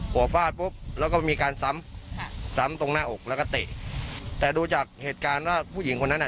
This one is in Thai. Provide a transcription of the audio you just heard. ฟาดปุ๊บแล้วก็มีการซ้ำค่ะซ้ำตรงหน้าอกแล้วก็เตะแต่ดูจากเหตุการณ์ว่าผู้หญิงคนนั้นอ่ะ